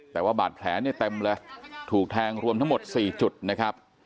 แต่ว่าบาดแผลเนี่ยเต็มเลยถูกแทงรวมทั้งหมด๔จุดนะครับ